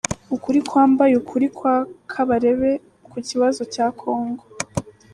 Ukuri kwambaye ukuri kwa Kabarebe ku kibazo cya kongo